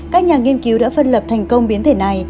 các nhà nghiên cứu đã phân lập thành công biến thể này